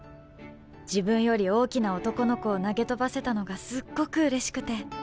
自分より大きな男の子を投げ飛ばせたのがすっごくうれしくて。